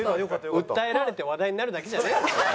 訴えられて話題になるだけじゃねえの？